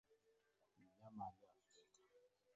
Mnyama aliyeathirika